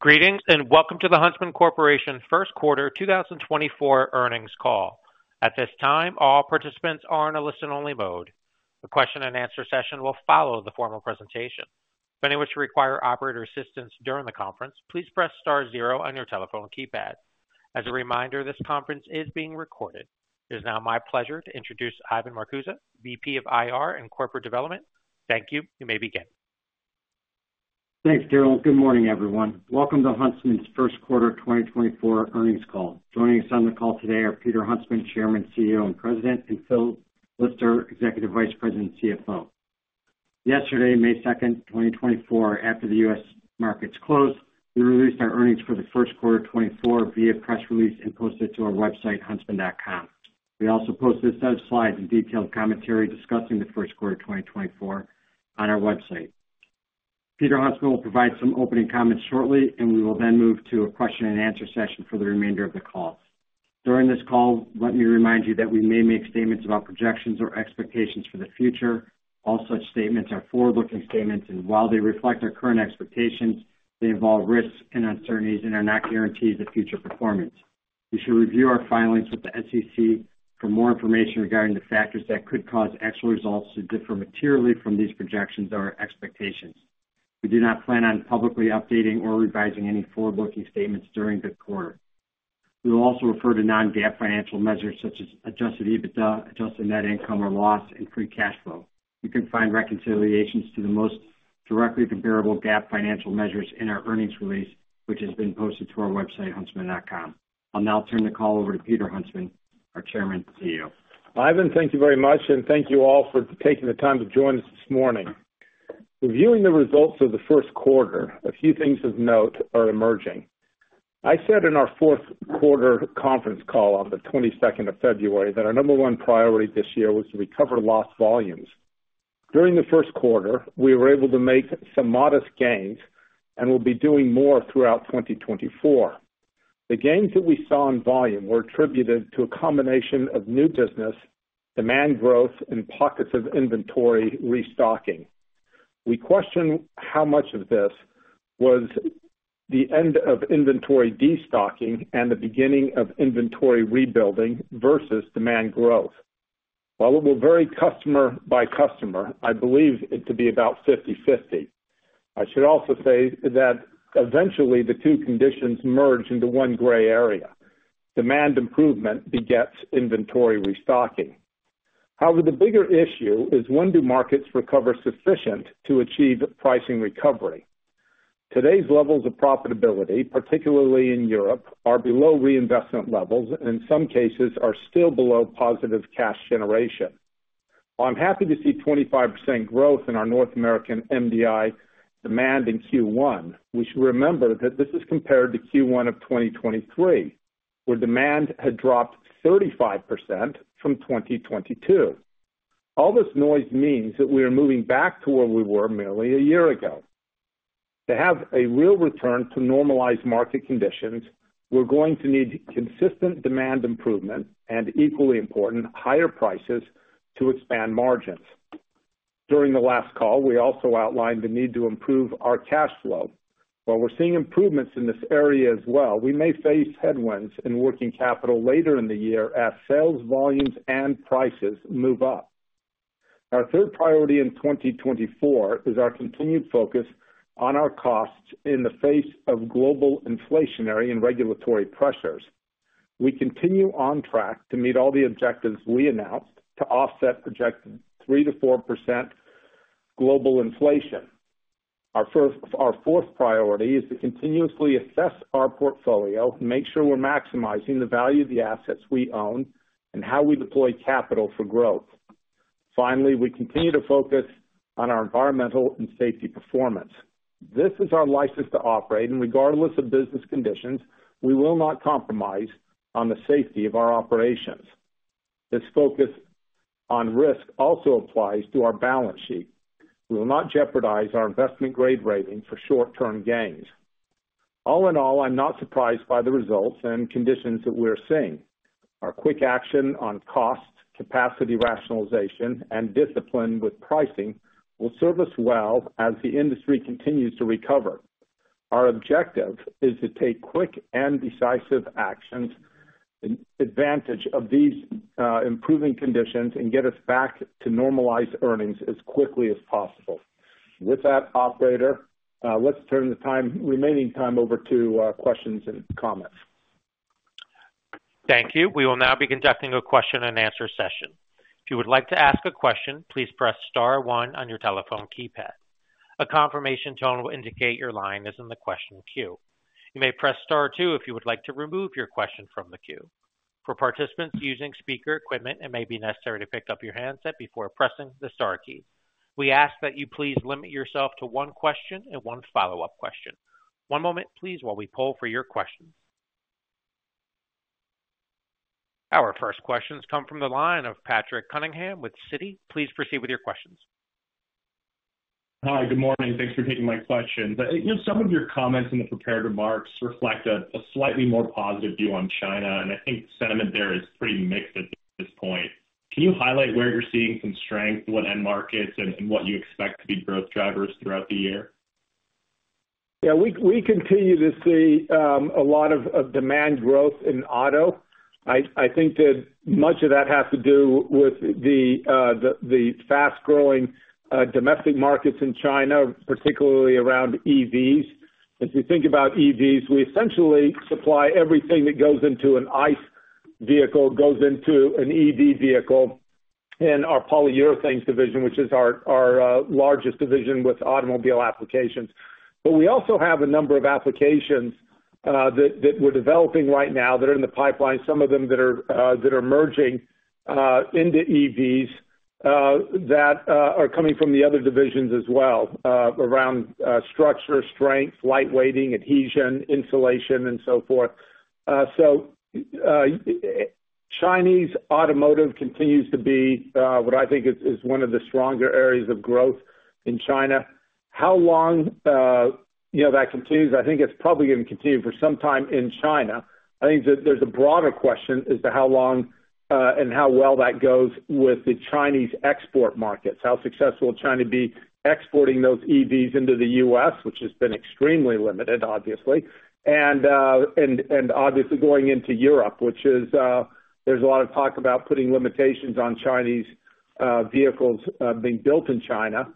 Greetings, and welcome to the Huntsman Corporation first quarter 2024 earnings call. At this time, all participants are in a listen-only mode. The question-and-answer session will follow the formal presentation. If anyone should require operator assistance during the conference, please press star zero on your telephone keypad. As a reminder, this conference is being recorded. It is now my pleasure to introduce Ivan Marcuse, VP of IR and Corporate Development. Thank you. You may begin. Thanks, Darrell. Good morning, everyone. Welcome to Huntsman's first quarter 2024 earnings call. Joining us on the call today are Peter Huntsman, Chairman, CEO, and President, and Phil Lister, Executive Vice President and CFO. Yesterday, May 2nd, 2024, after the U.S. markets closed, we released our earnings for the first quarter of 2024 via press release and posted to our website, huntsman.com. We also posted a set of slides and detailed commentary discussing the first quarter of 2024 on our website. Peter Huntsman will provide some opening comments shortly, and we will then move to a question and answer session for the remainder of the call. During this call, let me remind you that we may make statements about projections or expectations for the future. All such statements are forward-looking statements, and while they reflect our current expectations, they involve risks and uncertainties and are not guarantees of future performance. You should review our filings with the SEC for more information regarding the factors that could cause actual results to differ materially from these projections or expectations. We do not plan on publicly updating or revising any forward-looking statements during the quarter. We will also refer to non-GAAP financial measures such as adjusted EBITDA, adjusted net income or loss, and free cash flow. You can find reconciliations to the most directly comparable GAAP financial measures in our earnings release, which has been posted to our website, huntsman.com. I'll now turn the call over to Peter Huntsman, our Chairman and CEO. Ivan, thank you very much, and thank you all for taking the time to join us this morning. Reviewing the results of the first quarter, a few things of note are emerging. I said in our fourth quarter conference call on the twenty-second of February, that our number one priority this year was to recover lost volumes. During the first quarter, we were able to make some modest gains and will be doing more throughout 2024. The gains that we saw in volume were attributed to a combination of new business, demand growth, and pockets of inventory restocking. We question how much of this was the end of inventory destocking and the beginning of inventory rebuilding versus demand growth. While it will vary customer by customer, I believe it to be about 50/50. I should also say that eventually, the two conditions merge into one gray area. Demand improvement begets inventory restocking. However, the bigger issue is: When do markets recover sufficient to achieve pricing recovery? Today's levels of profitability, particularly in Europe, are below reinvestment levels, and in some cases are still below positive cash generation. While I'm happy to see 25% growth in our North American MDI demand in Q1, we should remember that this is compared to Q1 of 2023, where demand had dropped 35% from 2022. All this noise means that we are moving back to where we were merely a year ago. To have a real return to normalized market conditions, we're going to need consistent demand improvement and, equally important, higher prices to expand margins. During the last call, we also outlined the need to improve our cash flow. While we're seeing improvements in this area as well, we may face headwinds in working capital later in the year as sales volumes and prices move up. Our third priority in 2024 is our continued focus on our costs in the face of global inflationary and regulatory pressures. We continue on track to meet all the objectives we announced to offset projected 3%-4% global inflation. Our fourth priority is to continuously assess our portfolio and make sure we're maximizing the value of the assets we own and how we deploy capital for growth. Finally, we continue to focus on our environmental and safety performance. This is our license to operate, and regardless of business conditions, we will not compromise on the safety of our operations. This focus on risk also applies to our balance sheet. We will not jeopardize our investment-grade rating for short-term gains. All in all, I'm not surprised by the results and conditions that we're seeing. Our quick action on cost, capacity rationalization, and discipline with pricing will serve us well as the industry continues to recover. Our objective is to take quick and decisive actions, and advantage of these, improving conditions and get us back to normalized earnings as quickly as possible. With that, operator, let's turn the remaining time over to questions and comments. Thank you. We will now be conducting a question-and-answer session. If you would like to ask a question, please press star one on your telephone keypad. A confirmation tone will indicate your line is in the question queue. You may press star two if you would like to remove your question from the queue. For participants using speaker equipment, it may be necessary to pick up your handset before pressing the star key. We ask that you please limit yourself to one question and one follow-up question. One moment, please, while we poll for your questions. Our first questions come from the line of Patrick Cunningham with Citi. Please proceed with your questions. Hi, good morning. Thanks for taking my questions. You know, some of your comments in the prepared remarks reflect a slightly more positive view on China, and I think sentiment there is pretty mixed at this point. Can you highlight where you're seeing some strength, what end markets, and what you expect to be growth drivers throughout the year? Yeah, we continue to see a lot of demand growth in auto. I think that much of that has to do with the fast-growing domestic markets in China, particularly around EVs. If you think about EVs, we essentially supply everything that goes into an ICE vehicle, goes into an EV vehicle in our polyurethanes division, which is our largest division with automobile applications. But we also have a number of applications that we're developing right now that are in the pipeline, some of them that are merging into EVs that are coming from the other divisions as well around structure, strength, lightweighting, adhesion, insulation, and so forth. So, Chinese automotive continues to be what I think is one of the stronger areas of growth in China. How long, you know, that continues? I think it's probably gonna continue for some time in China. I think that there's a broader question as to how long and how well that goes with the Chinese export markets. How successful will China be exporting those EVs into the US, which has been extremely limited, obviously, and, and obviously going into Europe, which is... there's a lot of talk about putting limitations on Chinese vehicles being built in China,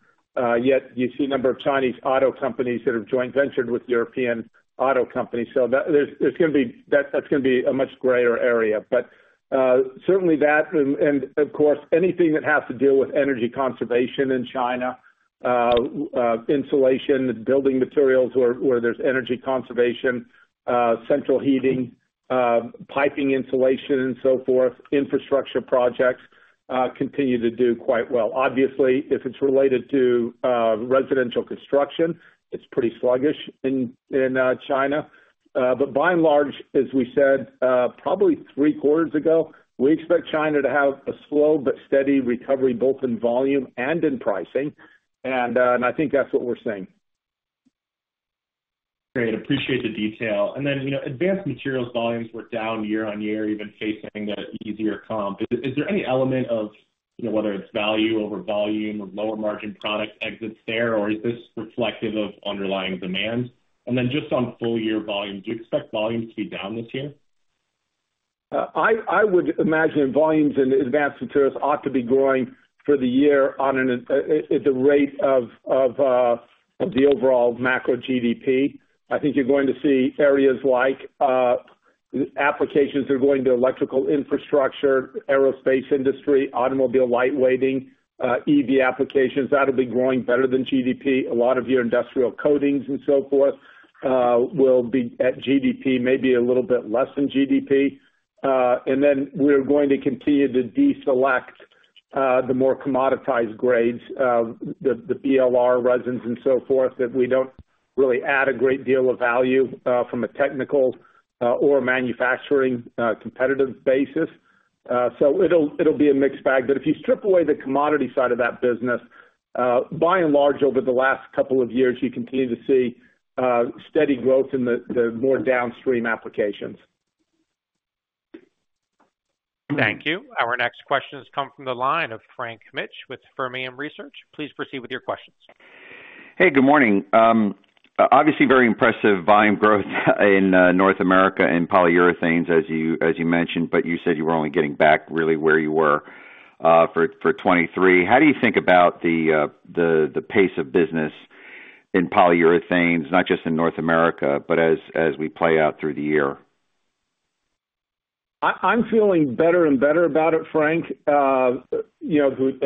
yet you see a number of Chinese auto companies that have joint ventured with European auto companies. So that's gonna be a much greater area. But certainly that and, of course, anything that has to deal with energy conservation in China, insulation, building materials, where there's energy conservation, central heating, piping insulation, and so forth, infrastructure projects continue to do quite well. Obviously, if it's related to residential construction, it's pretty sluggish in China. But by and large, as we said, probably three quarters ago, we expect China to have a slow but steady recovery, both in volume and in pricing. And I think that's what we're seeing. Great, appreciate the detail. And then, you know, advanced materials volumes were down year-on-year, even facing an easier comp. Is there any element of, you know, whether it's value over volume or lower margin product exits there, or is this reflective of underlying demand? And then just on full-year volume, do you expect volume to be down this year? I would imagine volumes in advanced materials ought to be growing for the year at the rate of the overall macro GDP. I think you're going to see areas like applications that are going to electrical infrastructure, aerospace industry, automobile lightweighting, EV applications, that'll be growing better than GDP. A lot of your industrial coatings and so forth will be at GDP, maybe a little bit less than GDP. And then we're going to continue to deselect the more commoditized grades, the BLR resins and so forth, that we don't really add a great deal of value from a technical or manufacturing competitive basis. So it'll be a mixed bag. But if you strip away the commodity side of that business, by and large, over the last couple of years, you continue to see steady growth in the, the more downstream applications. Thank you. Our next question has come from the line of Frank Mitsch with Fermium Research. Please proceed with your questions. Hey, good morning. Obviously, very impressive volume growth in North America and polyurethanes, as you, as you mentioned, but you said you were only getting back really where you were for 2023. How do you think about the pace of business in polyurethanes, not just in North America, but as we play out through the year? I'm feeling better and better about it, Frank. You know, we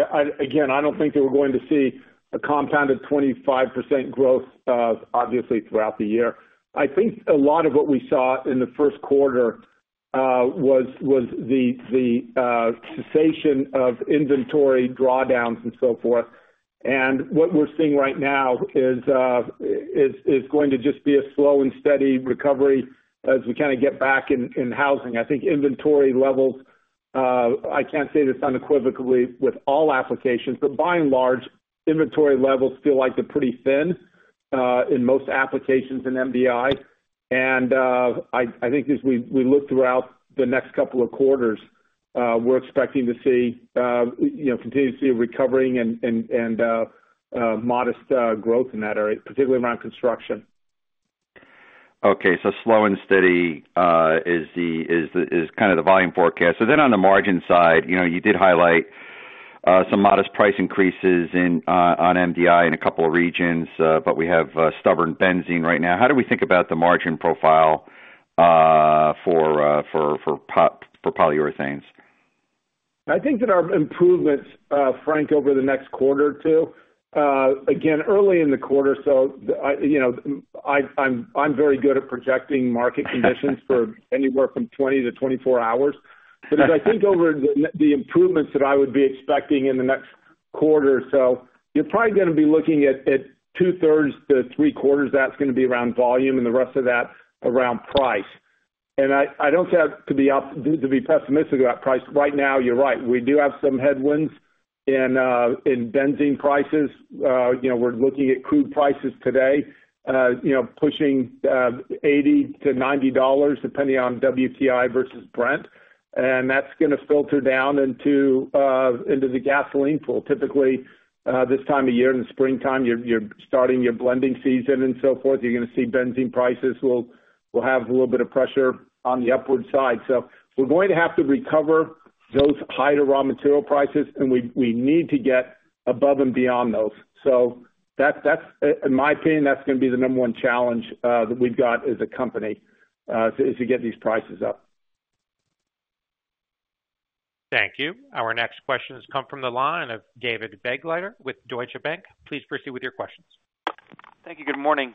again, I don't think that we're going to see a compounded 25% growth, obviously, throughout the year. I think a lot of what we saw in the first quarter was the cessation of inventory drawdowns and so forth. And what we're seeing right now is going to just be a slow and steady recovery as we kind of get back in housing. I think inventory levels, I can't say this unequivocally with all applications, but by and large, inventory levels feel like they're pretty thin in most applications in MDI. I think as we look throughout the next couple of quarters, we're expecting to see, you know, continue to see a recovering and modest growth in that area, particularly around construction. Okay, so slow and steady is kind of the volume forecast. So then on the margin side, you know, you did highlight some modest price increases in on MDI in a couple of regions, but we have stubborn benzene right now. How do we think about the margin profile for polyurethanes? I think that our improvements, Frank, over the next quarter or two, again, early in the quarter, so I you know, I'm very good at projecting market conditions for anywhere from 20 hours-24 hours. But as I think over the improvements that I would be expecting in the next quarter or so, you're probably gonna be looking at two thirds to three quarters; that's gonna be around volume, and the rest of that, around price. And I don't have to be to be pessimistic about price. Right now, you're right, we do have some headwinds in benzene prices. You know, we're looking at crude prices today, you know, pushing $80-$90, depending on WTI versus Brent, and that's gonna filter down into the gasoline pool. Typically, this time of year, in the springtime, you're starting your blending season and so forth, you're gonna see benzene prices will have a little bit of pressure on the upward side. So we're going to have to recover those higher raw material prices, and we need to get above and beyond those. So that's, in my opinion, that's gonna be the number one challenge that we've got as a company is to get these prices up. Thank you. Our next question has come from the line of David Begleiter with Deutsche Bank. Please proceed with your questions. Thank you. Good morning.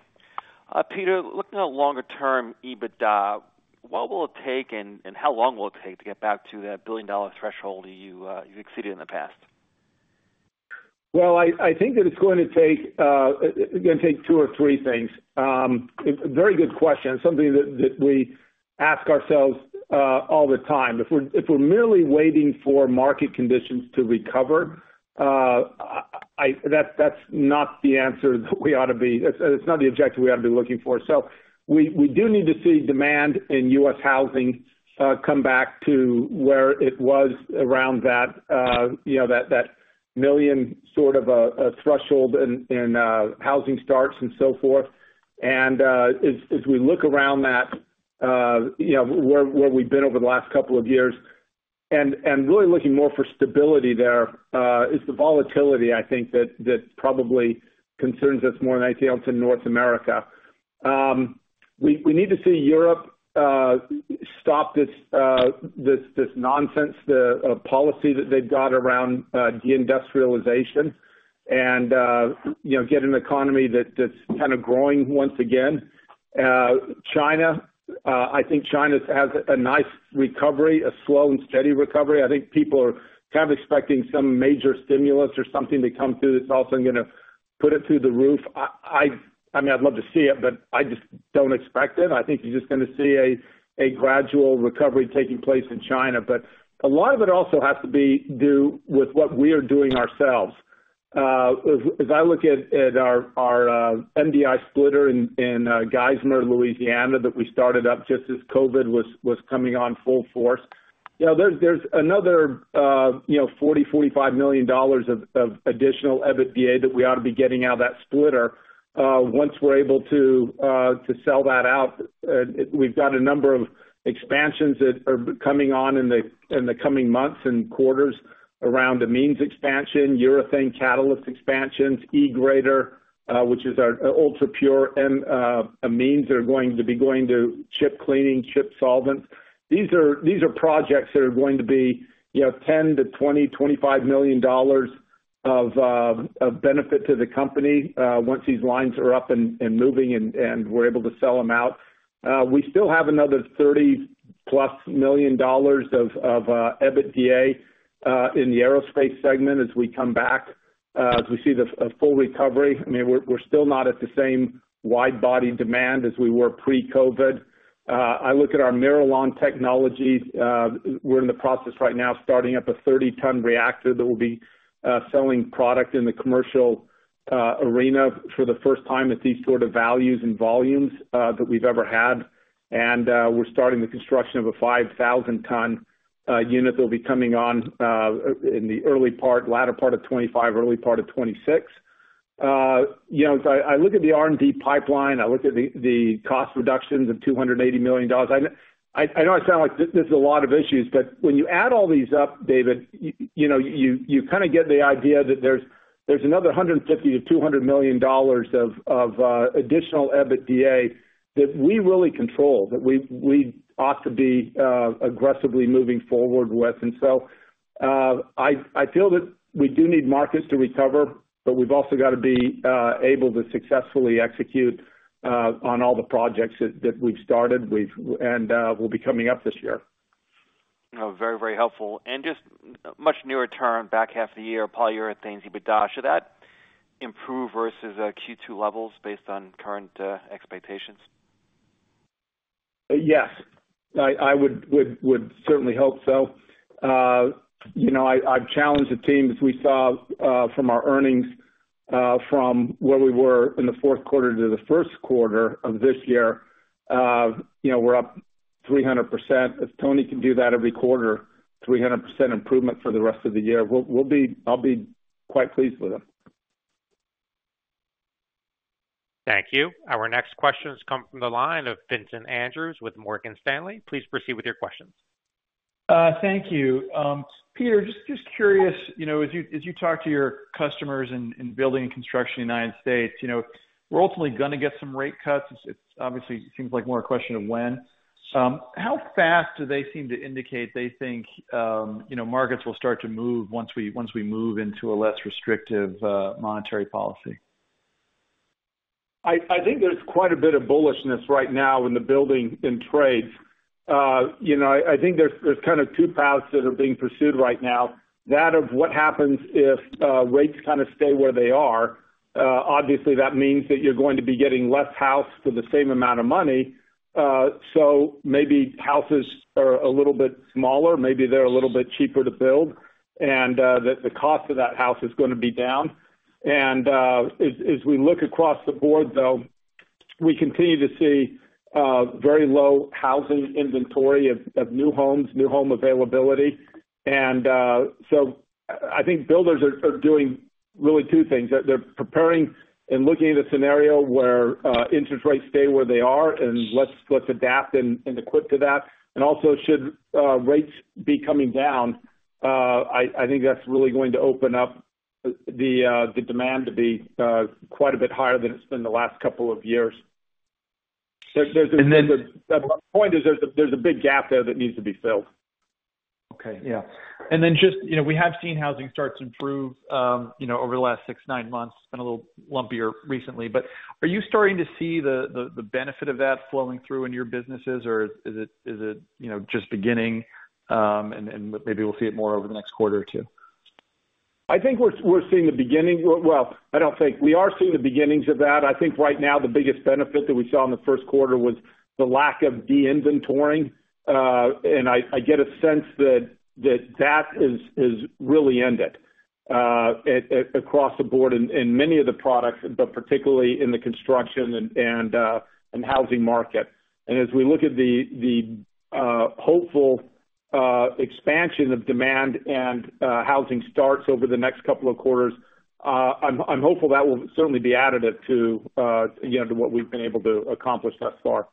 Peter, looking at longer term EBITDA, what will it take, and, and how long will it take to get back to that billion-dollar threshold you, you've exceeded in the past? Well, I think that it's going to take, it's gonna take two or three things. A very good question, something that we ask ourselves all the time. If we're merely waiting for market conditions to recover, that's not the answer that we ought to be it's not the objective we ought to be looking for. So we do need to see demand in U.S. housing come back to where it was around that, you know, that million sort of threshold in housing starts and so forth. As we look around that, you know, where we've been over the last couple of years and really looking more for stability there, is the volatility, I think, that probably concerns us more than anything else in North America. We need to see Europe stop this nonsense, the policy that they've got around deindustrialization and, you know, get an economy that's kind of growing once again. China, I think China has a nice recovery, a slow and steady recovery. I think people are kind of expecting some major stimulus or something to come through, that's also gonna put it through the roof. I mean, I'd love to see it, but I just don't expect it. I think you're just gonna see a gradual recovery taking place in China. But a lot of it also has to be due with what we are doing ourselves. As I look at our MDI splitter in Geismar, Louisiana, that we started up just as COVID was coming on full force, you know, there's another, you know, $45 million of additional EBITDA that we ought to be getting out of that splitter, once we're able to sell that out. We've got a number of expansions that are coming on in the coming months and quarters around the amines expansion, urethane catalyst expansions, E-GRADE, which is our ultrapure amines that are going to be going to chip cleaning, chip solvents. These are projects that are going to be, you know, $10 million-$25 million of benefit to the company once these lines are up and moving and we're able to sell them out. We still have another $30+ million of EBITDA in the aerospace segment as we come back as we see a full recovery. I mean, we're still not at the same wide-body demand as we were pre-COVID. I look at our MIRALON technology. We're in the process right now, starting up a 30-ton reactor that will be selling product in the commercial arena for the first time at these sort of values and volumes that we've ever had. We're starting the construction of a 5,000-ton unit that will be coming on in the latter part of 2025, early part of 2026. You know, as I look at the R&D pipeline, I look at the cost reductions of $280 million, I know I sound like this is a lot of issues, but when you add all these up, David, you know, you kind of get the idea that there's another $150 million-$200 million of additional EBITDA that we really control, that we ought to be aggressively moving forward with. And so, I feel that we do need markets to recover, but we've also got to be able to successfully execute on all the projects that we've started and will be coming up this year. You know, very, very helpful. And just much nearer term, back half of the year, polyurethanes, EBITDA, should that improve versus Q2 levels based on current expectations? Yes. I would certainly hope so. You know, I've challenged the team, as we saw, from our earnings, from where we were in the fourth quarter to the first quarter of this year, you know, we're up 300%. If Tony can do that every quarter, 300% improvement for the rest of the year, we'll be. I'll be quite pleased with him. Thank you. Our next question has come from the line of Vincent Andrews with Morgan Stanley. Please proceed with your questions. Thank you. Peter, just curious, you know, as you talk to your customers in building and construction in the United States, you know, we're ultimately gonna get some rate cuts. It's obviously seems like more a question of when. How fast do they seem to indicate they think, you know, markets will start to move once we move into a less restrictive monetary policy? I think there's quite a bit of bullishness right now in the building and trades. You know, I think there's kind of two paths that are being pursued right now. That of what happens if rates kind of stay where they are? Obviously, that means that you're going to be getting less house for the same amount of money, so maybe houses are a little bit smaller, maybe they're a little bit cheaper to build, and that the cost of that house is gonna be down. And as we look across the board though, we continue to see very low housing inventory of new homes, new home availability. So I think builders are doing really two things. They're preparing and looking at a scenario where interest rates stay where they are, and let's adapt and equip to that. And also, should rates be coming down, I think that's really going to open up the demand to be quite a bit higher than it's been the last couple of years. There's— And then- The point is, there's a big gap there that needs to be filled. Okay. Yeah. And then just, you know, we have seen housing starts improve, you know, over the last six, nine months. It's been a little lumpier recently, but are you starting to see the benefit of that flowing through in your businesses, or is it, you know, just beginning, and maybe we'll see it more over the next quarter or two? I think we are seeing the beginnings of that. I think right now, the biggest benefit that we saw in the first quarter was the lack of de-inventoring, and I get a sense that that is really ended across the board in many of the products, but particularly in the construction and in housing market. And as we look at the hopeful expansion of demand and housing starts over the next couple of quarters, I'm hopeful that will certainly be additive to, you know, to what we've been able to accomplish thus far.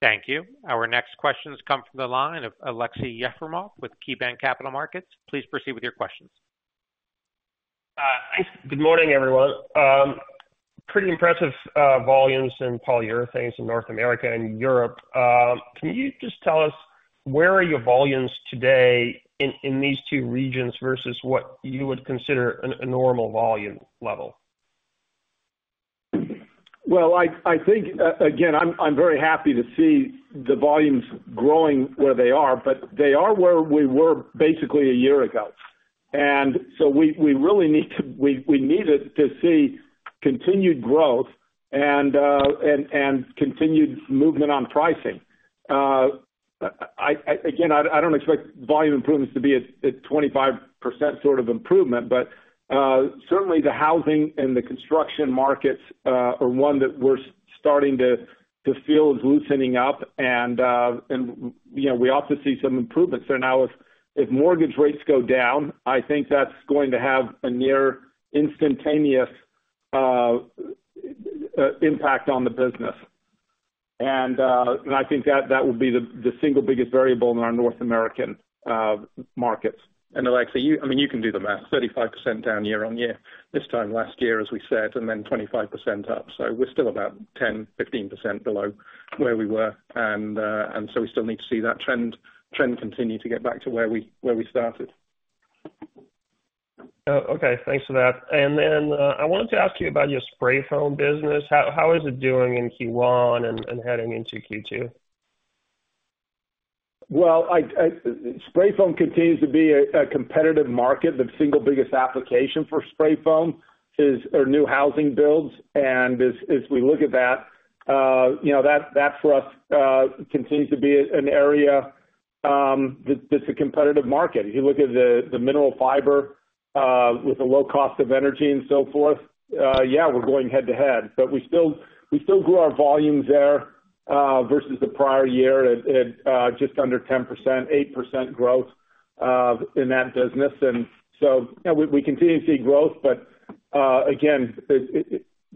Thank you. Our next question has come from the line of Aleksey Yefremov with KeyBanc Capital Markets. Please proceed with your questions. Good morning, everyone. Pretty impressive volumes in polyurethanes in North America and Europe. Can you just tell us where are your volumes today in these two regions versus what you would consider a normal volume level? Well, I think, again, I'm very happy to see the volumes growing where they are, but they are where we were basically a year ago. And so we really need to we needed to see continued growth and continued movement on pricing. I again don't expect volume improvements to be at 25% sort of improvement, but certainly the housing and the construction markets are one that we're starting to feel is loosening up. And you know, we also see some improvements there. Now, if mortgage rates go down, I think that's going to have a near instantaneous impact on the business. And I think that will be the single biggest variable in our North American markets. And Aleksey, you, I mean, you can do the math. 35% down year-over-year, this time last year, as we said, and then 25% up, so we're still about 10%, 15% below where we were. And, and so we still need to see that trend continue to get back to where we, where we started. Oh, okay. Thanks for that. And then, I wanted to ask you about your spray foam business. How is it doing in Q1 and heading into Q2? Well, spray foam continues to be a competitive market. The single biggest application for spray foam is, are new housing builds, and as we look at that, you know, that for us continues to be an area that that's a competitive market. If you look at the mineral fiber with the low cost of energy and so forth, yeah, we're going head to head. But we still grew our volumes there versus the prior year at just under 10%, 8% growth in that business. And so, you know, we continue to see growth, but again,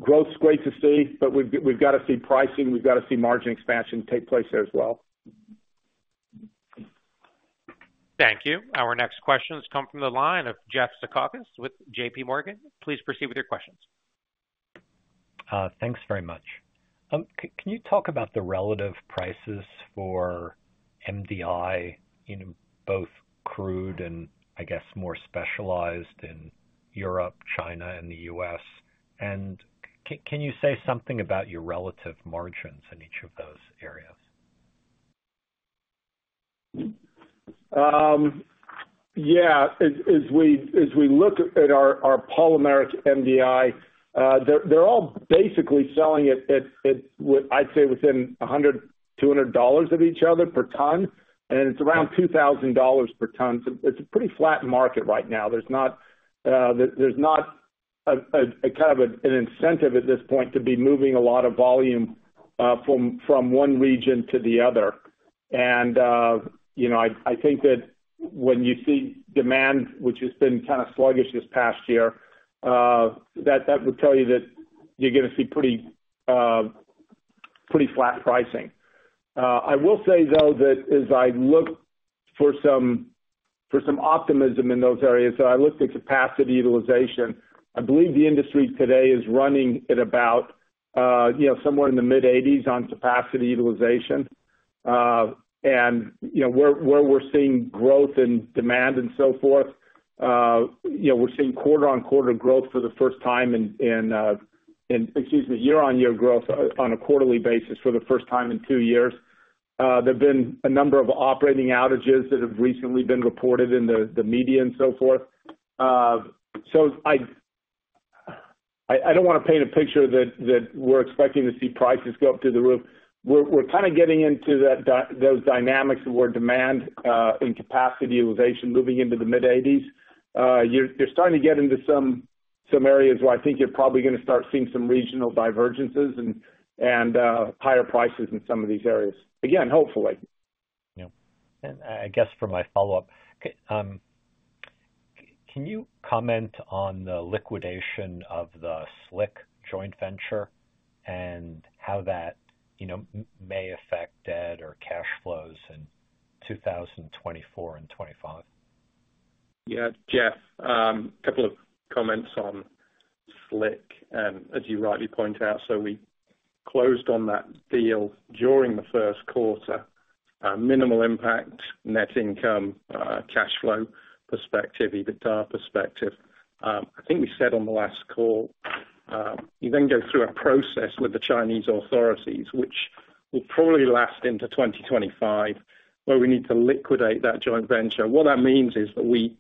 growth is great to see, but we've got to see pricing, we've got to see margin expansion take place there as well. Thank you. Our next question has come from the line of Jeff Zekauskas with JPMorgan. Please proceed with your questions. Thanks very much. Can you talk about the relative prices for MDI in both crude and I guess more specialized in Europe, China, and the U.S.? And can you say something about your relative margins in each of those areas? Yeah. As we look at our polymeric MDI, they're all basically selling it at I'd say within $100-$200 of each other per ton, and it's around $2,000 per ton. So it's a pretty flat market right now. There's not a kind of an incentive at this point to be moving a lot of volume from one region to the other. And you know, I think that when you see demand, which has been kind of sluggish this past year, that would tell you that you're gonna see pretty flat pricing. I will say, though, that as I look for some optimism in those areas, so I looked at capacity utilization. I believe the industry today is running at about, you know, somewhere in the mid-80s on capacity utilization. You know where we're seeing growth and demand and so forth, you know, we're seeing year-on-year growth on a quarterly basis for the first time in two years. There have been a number of operating outages that have recently been reported in the media and so forth. I don't wanna paint a picture that we're expecting to see prices go up through the roof. We're kind of getting into those dynamics where demand and capacity utilization moving into the mid-80s. You're starting to get into some areas where I think you're probably gonna start seeing some regional divergences and higher prices in some of these areas, again, hopefully. Yeah. I guess for my follow-up, can you comment on the liquidation of the SLIC joint venture and how that, you know, may affect debt or cash flows in 2024 and 2025? Yeah, Jeff, a couple of comments on SLIC. As you rightly point out, so we closed on that deal during the first quarter. Minimal impact, net income, cash flow perspective, EBITDA perspective. I think we said on the last call, you then go through a process with the Chinese authorities, which will probably last into 2025, where we need to liquidate that joint venture. What that means is that we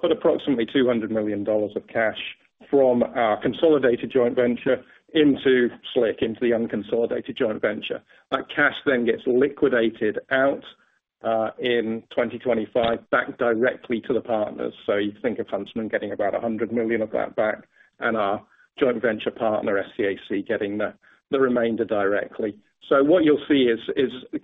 put approximately $200 million of cash from our consolidated joint venture into SLIC, into the unconsolidated joint venture. That cash then gets liquidated out, in 2025, back directly to the partners. So you think of Huntsman getting about $100 million of that back, and our joint venture partner, SCAC, getting the remainder directly. So what you'll see is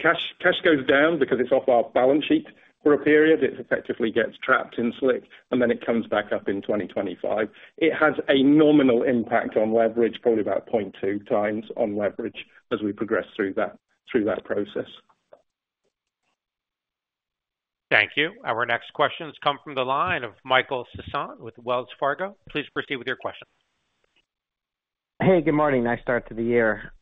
cash goes down because it's off our balance sheet for a period. It effectively gets trapped in SLIC, and then it comes back up in 2025. It has a nominal impact on leverage, probably about 0.2x on leverage as we progress through that process. Thank you. Our next question has come from the line of Michael Sison with Wells Fargo. Please proceed with your question. Hey, good morning. Nice start to the year.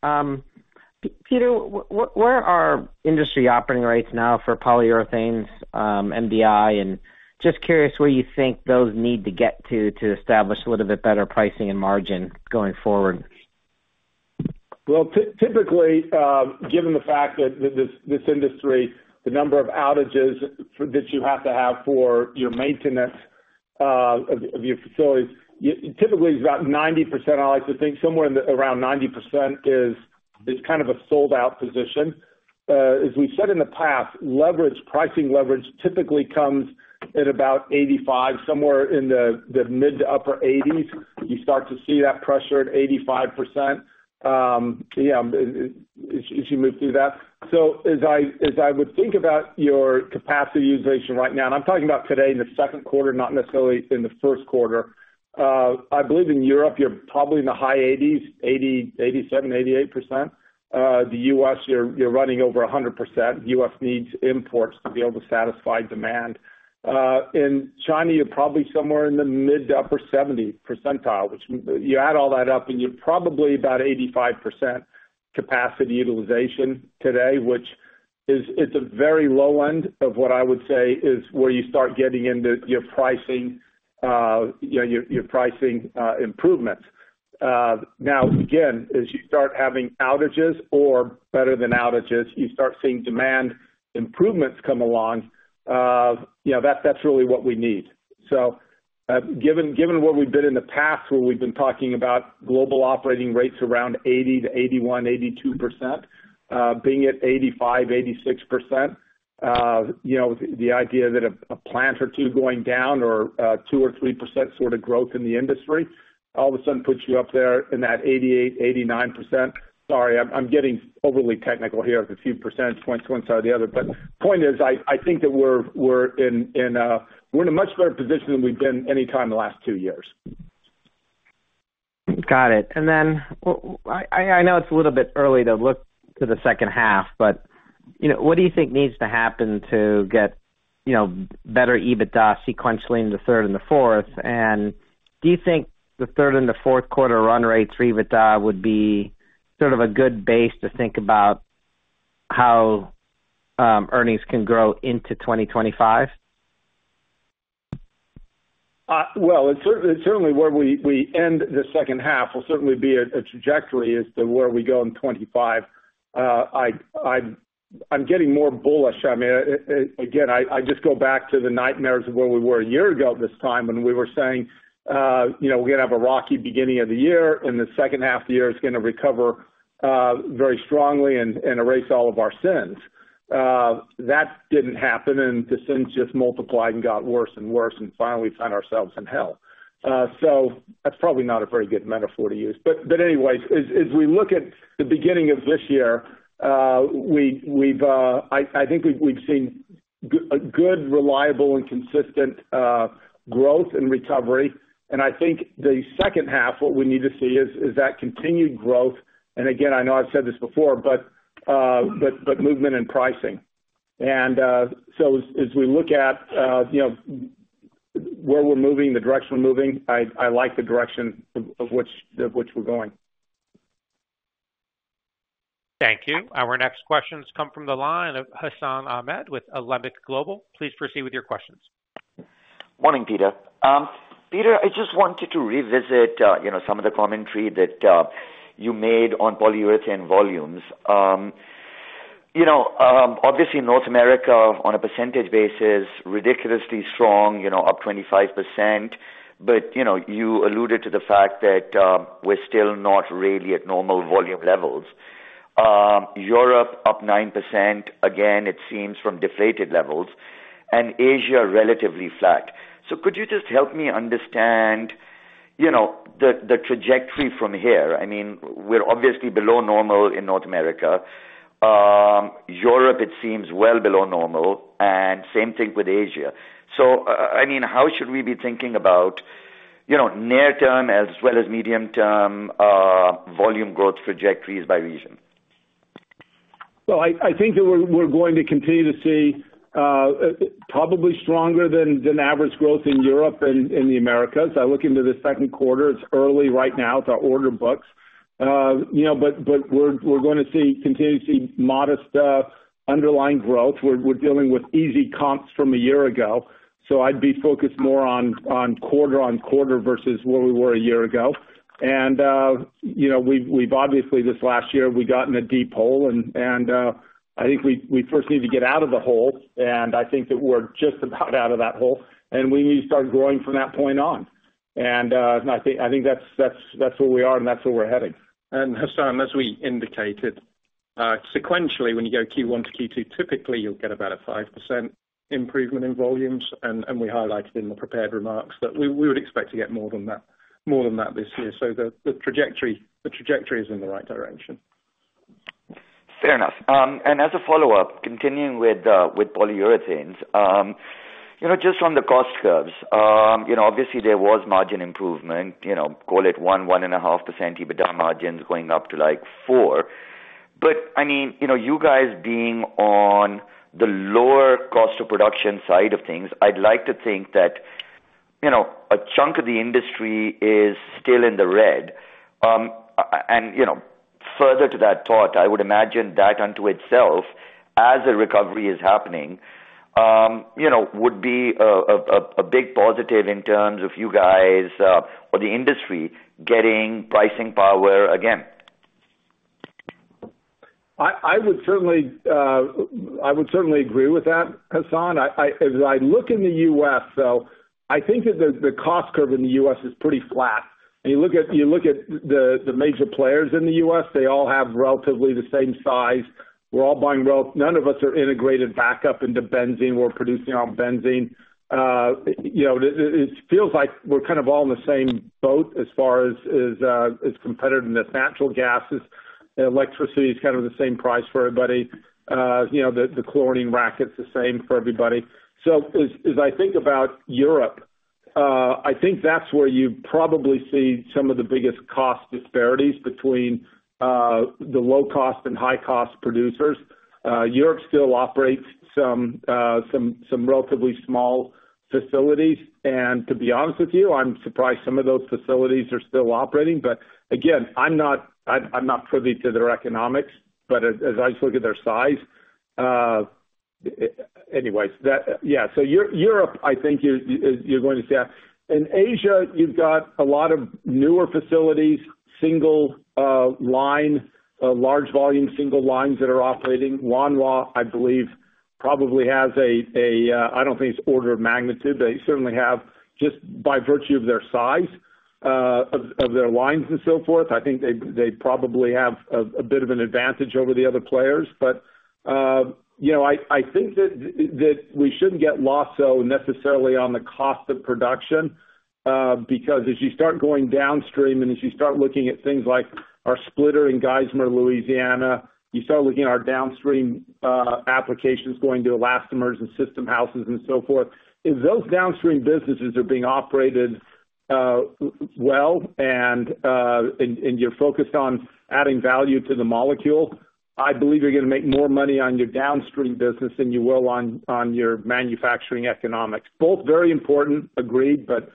Peter, where are industry operating rates now for polyurethanes, MDI? And just curious where you think those need to get to, to establish a little bit better pricing and margin going forward. Well, typically, given the fact that this industry, the number of outages that you have to have for your maintenance of your facilities, typically it's about 90%. I like to think somewhere around 90% is kind of a sold-out position. As we've said in the past, leverage, pricing leverage typically comes at about 85%, somewhere in the mid- to upper 80s. You start to see that pressure at 85%, as you move through that. So as I would think about your capacity utilization right now, and I'm talking about today in the second quarter, not necessarily in the first quarter, I believe in Europe, you're probably in the high 80%s, 80%, 87%, 88%. The U.S., you're running over 100%. US needs imports to be able to satisfy demand. In China, you're probably somewhere in the mid- to upper-70 percentile, which you add all that up, and you're probably about 85% capacity utilization today, which is... it's a very low end of what I would say is where you start getting into your pricing, you know, your, your pricing, improvements. Now, again, as you start having outages or better than outages, you start seeing demand improvements come along, you know, that's really what we need. So, given what we've done in the past, where we've been talking about global operating rates around 80%-81%, 82%, being at 85%-86%, you know, the idea that a plant or two going down or 2% or 3% sort of growth in the industry, all of a sudden puts you up there in that 88%89%. Sorry, I'm getting overly technical here with a few percentage points one side or the other. But point is, I think that we're in a much better position than we've been any time in the last two years. Got it. And then I know it's a little bit early to look to the second half, but, you know, what do you think needs to happen to get, you know, better EBITDA sequentially in the third and the fourth? And do you think the third and the fourth quarter run rate for EBITDA would be sort of a good base to think about how earnings can grow into 2025? Well, it's certainly where we end the second half will certainly be a trajectory as to where we go in 2025. I'm getting more bullish. I mean, again, I just go back to the nightmares of where we were a year ago this time when we were saying, you know, we're gonna have a rocky beginning of the year, and the second half of the year is gonna recover very strongly and erase all of our sins. That didn't happen, and the sins just multiplied and got worse and worse, and finally, we found ourselves in hell. So that's probably not a very good metaphor to use. Anyways, as we look at the beginning of this year, I think we've seen a good, reliable, and consistent growth and recovery. And I think the second half, what we need to see is that continued growth, and again, I know I've said this before, but movement in pricing. And so as we look at you know, where we're moving, the direction we're moving, I like the direction of which we're going. Thank you. Our next question has come from the line of Hassan Ahmed with Alembic Global. Please proceed with your questions. Morning, Peter. Peter, I just wanted to revisit, you know, some of the commentary that you made on polyurethane volumes. You know, obviously North America on a percentage basis, ridiculously strong, you know, up 25%. But, you know, you alluded to the fact that, we're still not really at normal volume levels. Europe up 9%, again, it seems from deflated levels, and Asia, relatively flat. So could you just help me understand, you know, the, the trajectory from here? I mean, we're obviously below normal in North America. Europe, it seems well below normal, and same thing with Asia. So, I mean, how should we be thinking about, you know, near term as well as medium term, volume growth trajectories by region? Well, I think that we're going to continue to see probably stronger than average growth in Europe and in the Americas. Looking into the second quarter, it's early right now to order books. You know, but we're gonna see continue to see modest underlying growth. We're dealing with easy comps from a year ago, so I'd be focused more on quarter-on-quarter versus where we were a year ago. You know, we've obviously this last year we got in a deep hole and I think we first need to get out of the hole, and I think that we're just about out of that hole, and we need to start growing from that point on. And I think that's where we are and that's where we're heading. Hassan, as we indicated, sequentially, when you go Q1 to Q2, typically you'll get about a 5% improvement in volumes. We highlighted in the prepared remarks that we would expect to get more than that this year. So the trajectory is in the right direction. Fair enough. And as a follow-up, continuing with polyurethanes, you know, just from the cost curves, you know, obviously there was margin improvement, you know, call it 1%, 1.5%, EBITDA margins going up to, like, 4%. But I mean, you know, you guys being on the lower cost of production side of things, I'd like to think that, you know, a chunk of the industry is still in the red. And, you know, further to that thought, I would imagine that unto itself, as a recovery is happening, you know, would be a big positive in terms of you guys, or the industry getting pricing power again. I would certainly agree with that, Hassan. As I look in the U.S., though, I think that the cost curve in the U.S. is pretty flat. And you look at the major players in the U.S., they all have relatively the same size. We're all buying none of us are integrated back up into benzene, we're producing our own benzene. You know, it feels like we're kind of all in the same boat as far as competitive. The natural gas, electricity is kind of the same price for everybody. You know, the chlorine racket's the same for everybody. So as I think about Europe, I think that's where you probably see some of the biggest cost disparities between the low-cost and high-cost producers. Europe still operates some, some relatively small facilities, and to be honest with you, I'm surprised some of those facilities are still operating. But again, I'm not privy to their economics, but as I just look at their size, anyways, that, yeah, so Europe, I think you're going to see that. In Asia, you've got a lot of newer facilities, single line, large volume, single lines that are operating. Wanhua, I believe, probably has a, I don't think it's order of magnitude, they certainly have, just by virtue of their size, of their lines and so forth, I think they probably have a bit of an advantage over the other players. But, you know, I think that we shouldn't get lost though necessarily on the cost of production, because as you start going downstream, and as you start looking at things like our splitter in Geismar, Louisiana, you start looking at our downstream applications going to elastomers and system houses, and so forth. If those downstream businesses are being operated well, and you're focused on adding value to the molecule, I believe you're gonna make more money on your downstream business than you will on your manufacturing economics. Both very important, agreed, but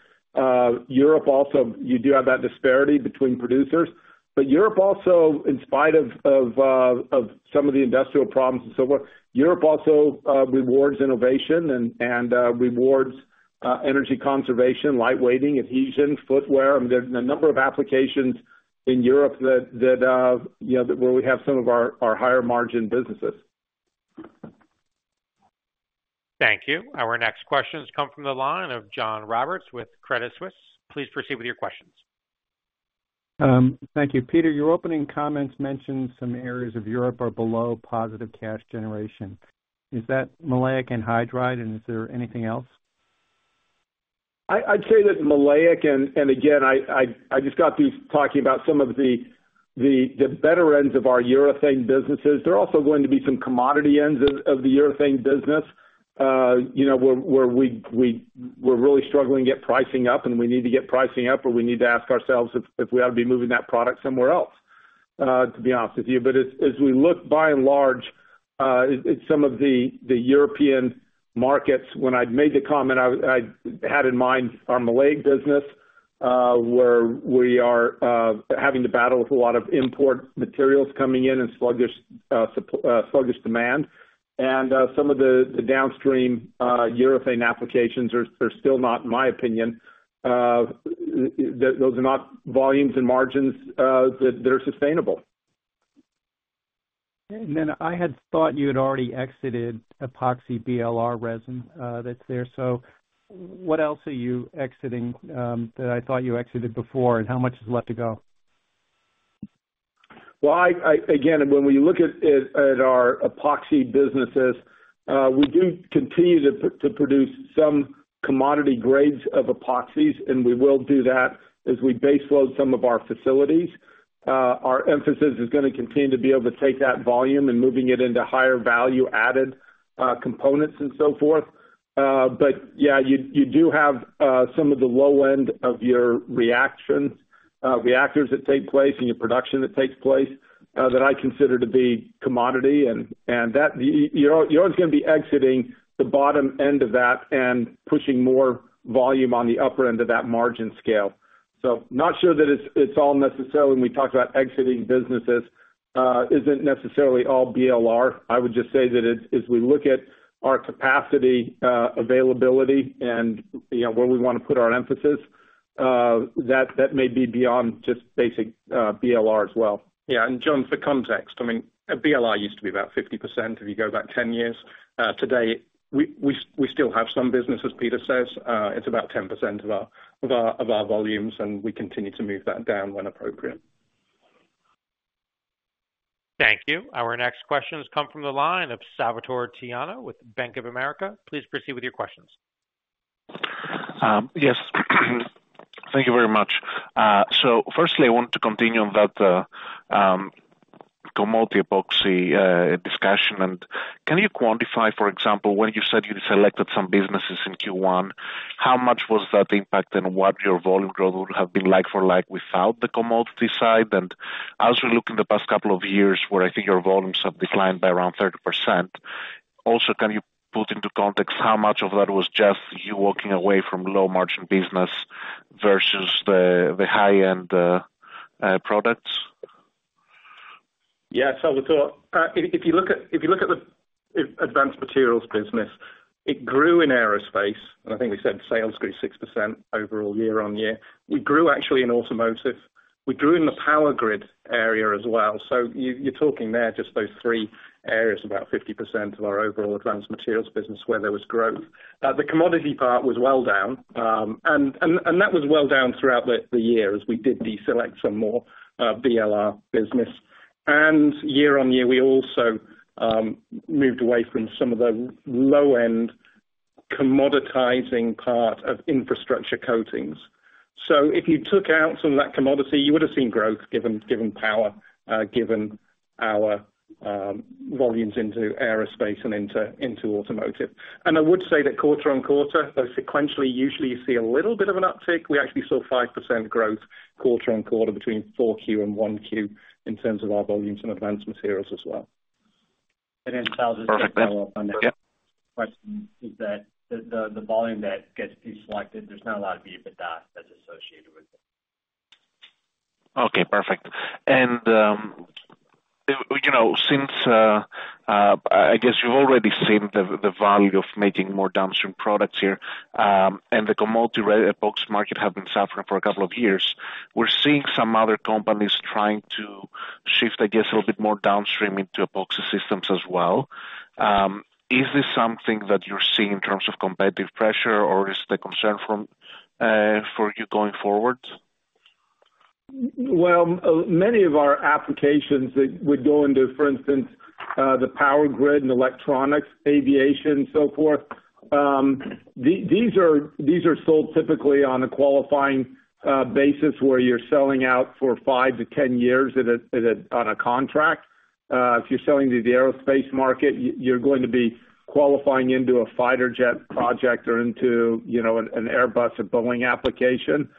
Europe also, you do have that disparity between producers. But Europe also, in spite of some of the industrial problems and so forth, Europe also rewards innovation and rewards energy conservation, lightweighting, adhesion, footwear. I mean, there's a number of applications in Europe that, you know, where we have some of our, our higher margin businesses. Thank you. Our next question has come from the line of John Roberts with Credit Suisse. Please proceed with your questions. Thank you. Peter, your opening comments mentioned some areas of Europe are below positive cash generation. Is that maleic anhydride, and is there anything else? I'd say that maleic, and again, talking about some of the better ends of our urethane businesses. There are also going to be some commodity ends of the urethane business, you know, where we're really struggling to get pricing up, and we need to get pricing up, or we need to ask ourselves if we ought to be moving that product somewhere else, to be honest with you. But as we look by and large, at some of the European markets, when I'd made the comment, I had in mind our maleic business, where we are having to battle with a lot of import materials coming in and sluggish demand. And some of the downstream urethane applications are still not. In my opinion, those are not volumes and margins that are sustainable. And then I had thought you had already exited epoxy BLR resin, that's there. So what else are you exiting, that I thought you exited before, and how much is left to go? Well, again, when we look at our epoxy businesses, we do continue to produce some commodity grades of epoxies, and we will do that as we baseload some of our facilities. Our emphasis is gonna continue to be able to take that volume and moving it into higher value added, components and so forth. But yeah, you do have some of the low end of your reactions, reactors that take place and your production that takes place, that I consider to be commodity, and that you're always gonna be exiting the bottom end of that and pushing more volume on the upper end of that margin scale. So not sure that it's all necessarily when we talk about exiting businesses, isn't necessarily all BLR. I would just say that as we look at our capacity, availability and, you know, where we wanna put our emphasis, that may be beyond just basic BLR as well. Yeah, and John, for context, I mean, BLR used to be about 50% if you go back 10 years. Today, we still have some business, as Peter says, it's about 10% of our volumes, and we continue to move that down when appropriate. Thank you. Our next question has come from the line of Salvator Tiano with Bank of America. Please proceed with your questions. Yes. Thank you very much. So firstly, I want to continue on that, commodity epoxy, discussion. And can you quantify, for example, when you said you deselected some businesses in Q1, how much was that impact, and what your volume growth would have been like for like without the commodity side? And as we look in the past couple of years, where I think your volumes have declined by around 30%, also, can you put into context how much of that was just you walking away from low margin business versus the, the high-end, products? Yeah, Salvatore, if you look at the advanced materials business, it grew in aerospace, and I think we said sales grew 6% overall year-on-year. We grew actually in automotive. We grew in the power grid area as well. So you're talking there, just those three areas, about 50% of our overall advanced materials business, where there was growth. The commodity part was well down. And that was well down throughout the year as we did deselect some more BLR business. And year-on-year, we also moved away from some of the low-end commoditizing part of infrastructure coatings. So if you took out some of that commodity, you would have seen growth, given power, given our volumes into aerospace and into automotive. I would say that quarter-on-quarter, though sequentially, usually you see a little bit of an uptick, we actually saw 5% growth quarter-on-quarter between 4Q and 1Q in terms of our volumes in advanced materials as well. Sal, just to follow up on that question, is that the volume that gets deselected? There's not a lot of EBITDA that's associated with it. Okay, perfect. And, you know, since, I guess you've already seen the, the value of making more downstream products here, and the commodity epoxy market have been suffering for a couple of years. We're seeing some other companies trying to shift, I guess, a little bit more downstream into epoxy systems as well. Is this something that you're seeing in terms of competitive pressure, or is the concern from, for you going forward? Well, many of our applications that would go into, for instance, the power grid and electronics, aviation and so forth, these are sold typically on a qualifying basis, where you're selling out for five to 10 years at a, on a contract. If you're selling to the aerospace market, you're going to be qualifying into a fighter jet project or into, you know, an Airbus, a Boeing application,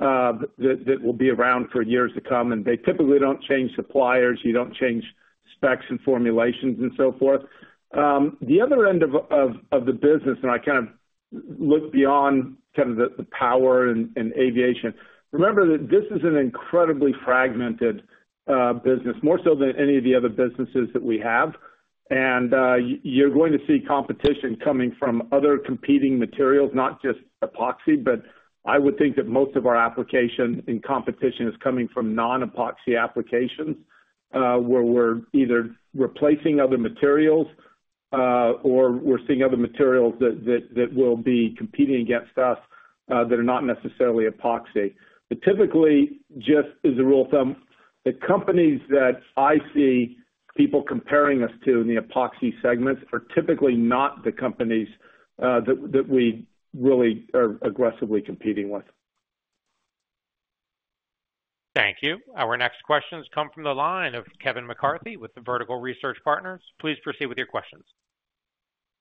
that will be around for years to come, and they typically don't change suppliers. You don't change specs and formulations and so forth. The other end of the business, and I kind of look beyond kind of the power and aviation. Remember that this is an incredibly fragmented business, more so than any of the other businesses that we have. You're going to see competition coming from other competing materials, not just epoxy. But I would think that most of our application in competition is coming from non-epoxy applications, where we're either replacing other materials, or we're seeing other materials that will be competing against us, that are not necessarily epoxy. But typically, just as a rule of thumb, the companies that I see people comparing us to in the epoxy segments are typically not the companies that we really are aggressively competing with. Thank you. Our next questions come from the line of Kevin McCarthy with Vertical Research Partners. Please proceed with your questions.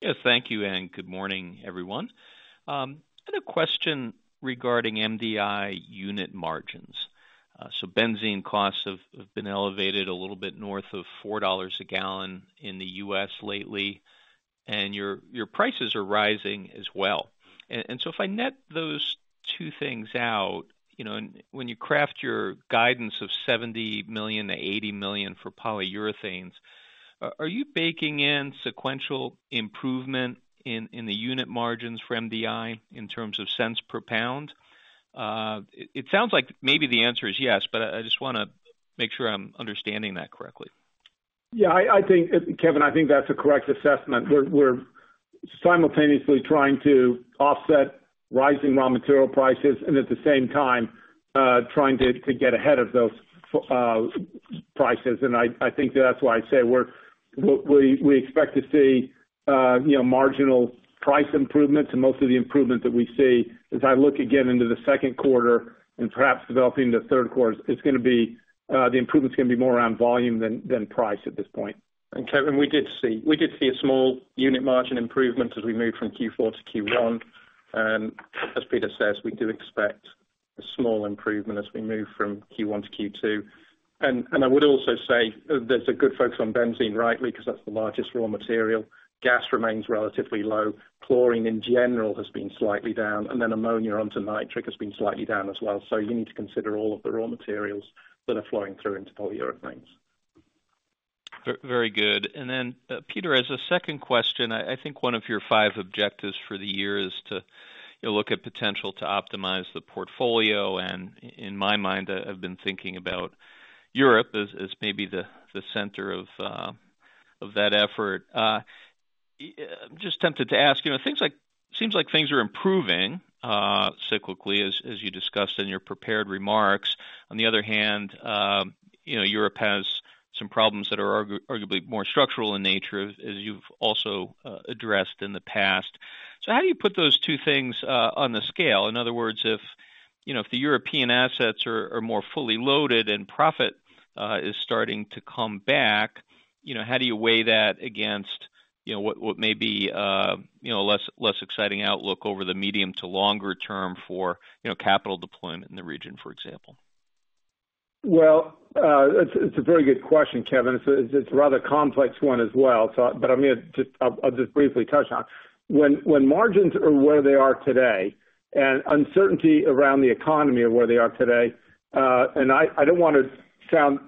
Yes, thank you, and good morning, everyone. I had a question regarding MDI unit margins. So benzene costs have been elevated a little bit north of $4 a gallon in the U.S. lately, and your prices are rising as well. And so if I net those two things out, you know, and when you craft your guidance of $70 million-$80 million for polyurethanes, are you baking in sequential improvement in the unit margins for MDI in terms of cents per pound? It sounds like maybe the answer is yes, but I just wanna make sure I'm understanding that correctly. Yeah, I think, Kevin, I think that's a correct assessment. We're simultaneously trying to offset rising raw material prices and at the same time trying to get ahead of those f- prices. And I think that's why I say we expect to see, you know, marginal price improvements, and most of the improvements that we see, as I look again into the second quarter and perhaps developing the third quarter, it's gonna be the improvements are gonna be more around volume than price at this point. And Kevin, we did see, we did see a small unit margin improvement as we moved from Q4 to Q1. As Peter says, we do expect a small improvement as we move from Q1 to Q2. And I would also say there's a good focus on benzene, rightly, 'cause that's the largest raw material. Gas remains relatively low, chlorine in general has been slightly down, and then ammonia onto nitric has been slightly down as well. So you need to consider all of the raw materials that are flowing through into polyurethanes. Very good. And then, Peter, as a second question, I think one of your five objectives for the year is to, you know, look at potential to optimize the portfolio, and in my mind, I've been thinking about Europe as maybe the center of that effort. I'm just tempted to ask, you know, things like—seems like things are improving cyclically, as you discussed in your prepared remarks. On the other hand, you know, Europe has some problems that are arguably more structural in nature, as you've also addressed in the past. So how do you put those two things on the scale? In other words, if you know, if the European assets are more fully loaded and profit is starting to come back, you know, how do you weigh that against, you know, what may be, you know, a less exciting outlook over the medium to longer term for, you know, capital deployment in the region, for example? Well, it's a very good question, Kevin. It's a rather complex one as well, so but I'm gonna just- I'll just briefly touch on it. When margins are where they are today, and uncertainty around the economy are where they are today, and I don't want to sound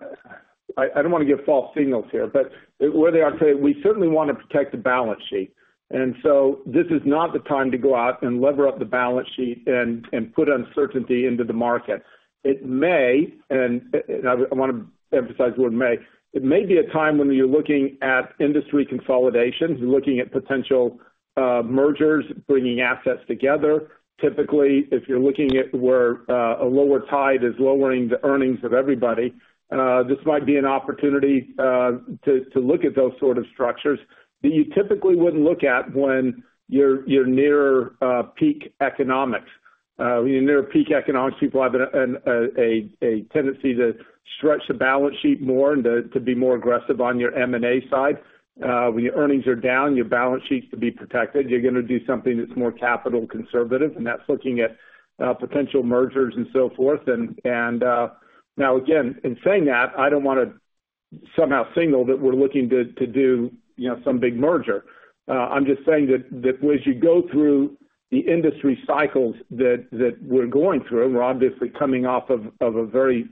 I don't wanna give false signals here, but where they are today, we certainly want to protect the balance sheet, and so this is not the time to go out and lever up the balance sheet and put uncertainty into the market. It may, and I wanna emphasize the word may, it may be a time when you're looking at industry consolidations and looking at potential mergers, bringing assets together. Typically, if you're looking at where a lower tide is lowering the earnings of everybody, this might be an opportunity to look at those sort of structures that you typically wouldn't look at when you're near peak economics. When you're near peak economics, people have a tendency to stretch the balance sheet more and to be more aggressive on your M&A side. When your earnings are down, your balance sheets to be protected, you're gonna do something that's more capital conservative, and that's looking at potential mergers and so forth. Now again, in saying that, I don't wanna somehow signal that we're looking to do, you know, some big merger. I'm just saying that as you go through the industry cycles that we're going through, and we're obviously coming off of a very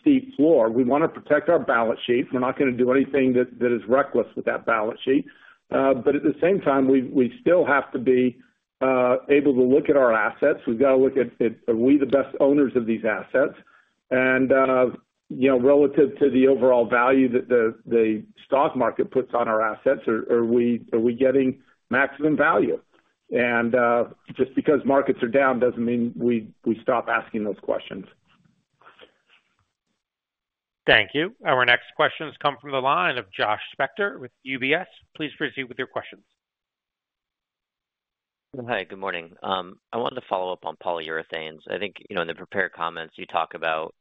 steep floor, we wanna protect our balance sheet. We're not gonna do anything that is reckless with that balance sheet. But at the same time, we still have to be able to look at our assets. We've got to look at are we the best owners of these assets? And, you know, relative to the overall value that the stock market puts on our assets, are we getting maximum value? And, just because markets are down, doesn't mean we stop asking those questions. Thank you. Our next questions come from the line of Josh Spector with UBS. Please proceed with your questions. Hi, good morning. I wanted to follow up on polyurethanes. I think, you know, in the prepared comments, you talk about